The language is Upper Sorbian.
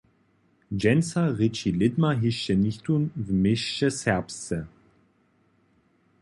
Dźensa rěči lědma hišće nichtó w měsće serbsce.